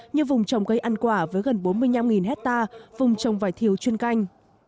như vùng trồng cây ăn quả với gần bốn mươi năm hectare vùng trồng vải thiêu chuyên canh